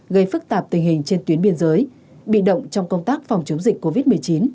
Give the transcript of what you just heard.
gây phức tạp tình hình trên tuyến biên giới bị động trong công tác phòng chống dịch covid một mươi chín